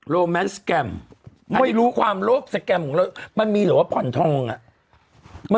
แมนสแกรมไม่รู้ความโลกสแกรมของเรามันมีหรือว่าผ่อนทองอ่ะ